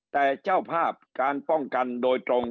แต่เจ้าภาพการป้องกันโดยตรง